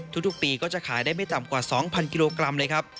ทุกปีก็จะขายได้ไม่ต่ำกว่า๒๐๐กิโลกรัมเลยครับ